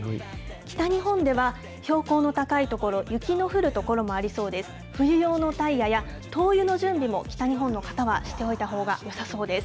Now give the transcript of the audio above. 北日本では、標高の高い所、雪の降る所もありそうです。